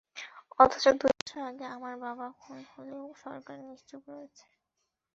অথচ দুই বছর আগে আমার বাবা খুন হলেও সরকার নিশ্চুপ রয়েছে।